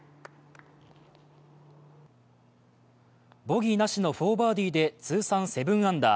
ボギーなしの４バーディーで通算７アンダー。